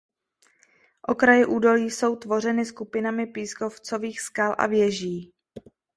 Okraje údolí jsou tvořeny skupinami pískovcových skal a věží.